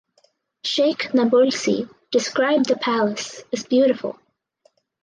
Sheikh Nabulsi described the palace as beautiful.